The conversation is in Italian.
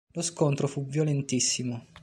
Lo scontro fu violentissimo.